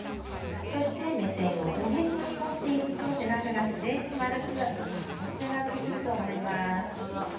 そして目線をおへそに持っていくと背中が自然に丸く持ち上がってくると思います。